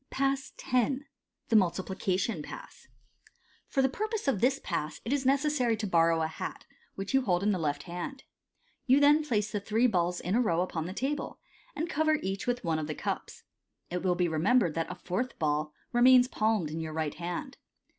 Pass X. The " Multiplication " Pass. — For the purpose of this Pass it is necessary to borrow a hat, which you hold in the left hand. You then place the three balls in a row upon the table, and cover each with one of the cups. It will be remembered that a fourth ball remains palmed in your right hand.